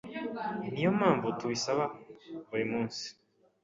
niyo mpamvu tubisaba buri munsi.